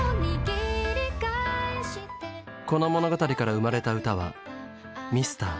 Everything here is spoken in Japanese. この物語から生まれた歌は「ミスター」。